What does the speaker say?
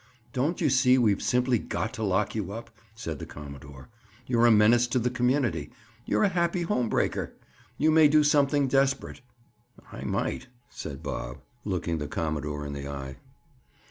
"Don't you see we've simply got to lock you up?" said the commodore. "You're a menace to the community; you're a happy home breaker. You may do something desperate." "I might," said Bob, looking the commodore in the eye.